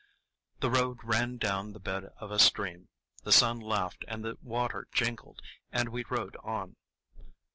The road ran down the bed of a stream; the sun laughed and the water jingled, and we rode on.